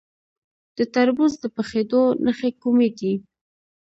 د تربوز د پخیدو نښې کومې دي؟